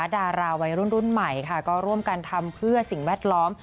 ดาราวัยรุ่นรุ่นใหม่ค่ะก็ร่วมกันทำเพื่อสิ่งแวดล้อม